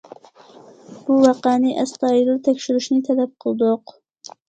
بۇ ۋەقەنى ئەستايىدىل تەكشۈرۈشنى تەلەپ قىلدۇق.